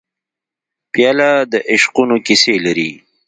پیاله د عشقونو کیسې لري.